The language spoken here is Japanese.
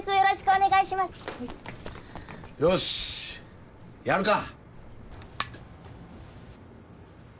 よしやるか！